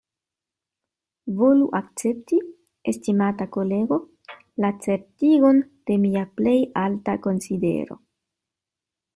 Volu akcepti, estimata kolego, la certigon de mia plej alta konsidero.